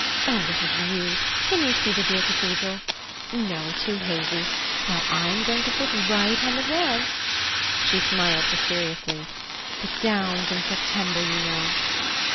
Oh, what a view! Can you see the dear Cathedral? No. Too hazy. Now I'm going to sit right on the rug." She smiled mysteriously. "The downs in September, you know."